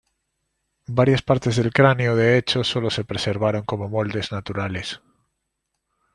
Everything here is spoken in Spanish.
Varias partes del cráneo de hecho solo se preservaron como moldes naturales.